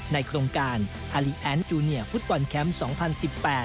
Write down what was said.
ในกรงการอลีแอนด์จูเนียฟุตบอลแคมป์๒๐๑๘